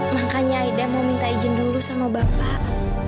makanya ida mau minta izin dulu sama bapak